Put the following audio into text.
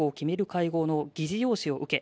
会合の議事要旨を受け